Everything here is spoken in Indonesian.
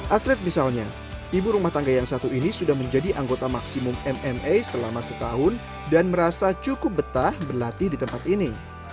asrid misalnya ibu rumah tangga yang satu ini sudah menjadi anggota maksimum mma selama setahun dan merasa cukup betah berlatih di tempat ini